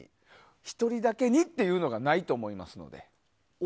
１人だけにっていうのがないと思いますので。